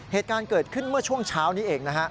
เหตุการณ์เกิดขึ้นเมื่อช่วงเช้านี้เองนะฮะ